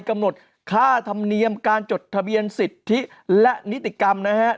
กำหนดค่าธรรมเนียมการจดทะเบียนสิทธิและนิติกรรมนะครับ